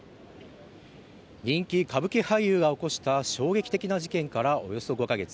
人気歌舞伎俳優が起こした衝撃的な事件からおよそ５カ月。